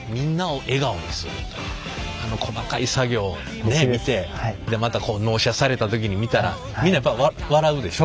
細かい作業を見て納車された時に見たらみんなやっぱ笑うでしょ？